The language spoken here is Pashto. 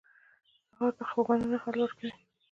سهار د خفګانونو حل ورکوي.